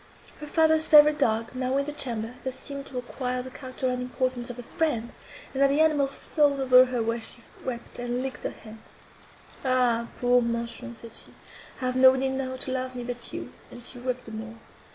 Her father's favourite dog, now in the chamber, thus seemed to acquire the character and importance of a friend; and, as the animal fawned over her when she wept, and licked her hands, "Ah, poor Manchon!" said she, "I have nobody now to love me—but you!" and she wept the more.